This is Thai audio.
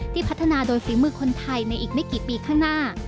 พัฒนาโดยฝีมือคนไทยในอีกไม่กี่ปีข้างหน้า